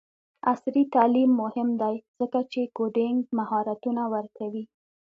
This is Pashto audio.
عصري تعلیم مهم دی ځکه چې کوډینګ مهارتونه ورکوي.